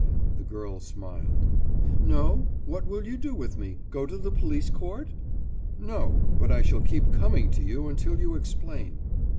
« The girl smiled. »No? What will you do with me? Go to the police court?« »No, but I shall keep coming to you until you explain.